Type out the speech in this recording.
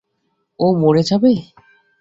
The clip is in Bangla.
ও মরে যাবে?